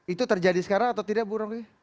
itu terjadi sekarang atau tidak bu rongy